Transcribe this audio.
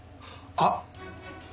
あっ！